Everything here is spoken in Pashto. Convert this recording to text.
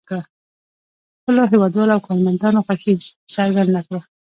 خپلو هېوادوالو او کارمندانو خوښي څرګنده کړه.